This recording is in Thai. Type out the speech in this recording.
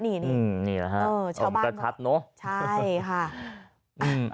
นี่นะฮะชาวบ้านใช่ค่ะเออชาวบ้าน